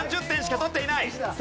３０点しか取っていない。